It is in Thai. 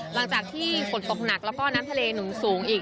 หลังจากที่ฝนตกหนักและน้ำช่วงทั้งสูง